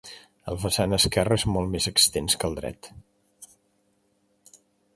El vessant esquerre és molt més extens que el dret.